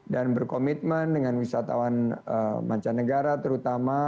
dan berkomitmen dengan wisatawan mancanegara terutama